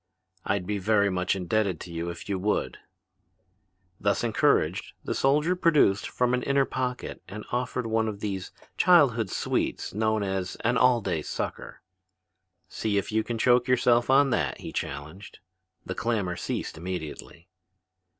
"I'd be very much indebted to you if you would." Thus encouraged, the soldier produced from an inner pocket and offered one of those childhood sweets known as an "all day sucker." "See if you can choke yourself on that," he challenged. The clamor ceased immediately.